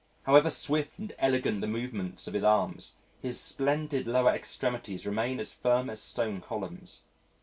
However swift and elegant the movements of his arms, his splendid lower extremities remain as firm as stone columns.